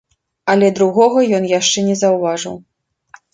Але другога ён яшчэ не заўважыў.